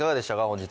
本日。